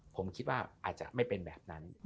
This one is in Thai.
ผมคิดว่าอาจจะไม่เป็นแบบนั้น